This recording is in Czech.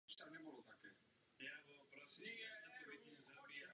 Je znám především svými příspěvky k teorii spravedlivé války a mezinárodního práva.